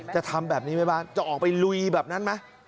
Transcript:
จะทำแบบนี้ไหมบ้านจะออกไปลุยแบบนั้นไหม